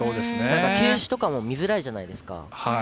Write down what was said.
球種とかも見づらいじゃないですか。